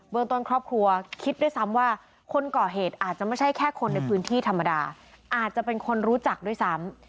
ต้นครอบครัวคิดด้วยซ้ำว่าคนก่อเหตุอาจจะไม่ใช่แค่คนในพื้นที่ธรรมดาอาจจะเป็นคนรู้จักด้วยซ้ำ